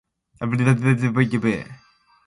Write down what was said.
Ɓe tefi mo fonde tawaaŋal.